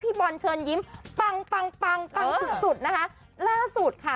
บอลเชิญยิ้มปังปังปังปังสุดสุดนะคะล่าสุดค่ะ